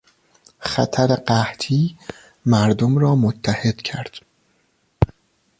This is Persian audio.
خطر قحطی مردم را متحد کرد.